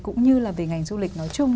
cũng như là về ngành du lịch nói chung